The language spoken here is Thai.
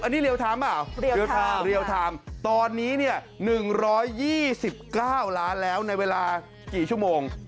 อันนี้เรียลไทม์เปล่าเรียลไทม์ตอนนี้เนี่ย๑๒๙ล้านแล้วในเวลากี่ชั่วโมง